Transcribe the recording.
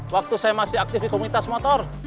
waktu saya masih aktif di komunitas motor